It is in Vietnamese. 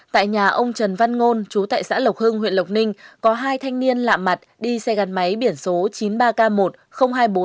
tại nhà ông trần văn ngôn chú tại xã lộc hưng huyện lộc ninh có hai thanh niên lạm mặt đi xe gắn máy biển số chín mươi ba k một hai nghìn bốn trăm tám mươi chín